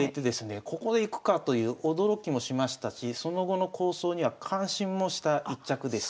ここでいくかという驚きもしましたしその後の構想には感心もした一着です。